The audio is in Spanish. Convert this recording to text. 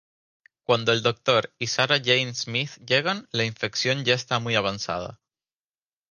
Cuando el Doctor y Sarah Jane Smith llegan, la infección ya está muy avanzada.